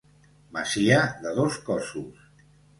Masia de dos cossos.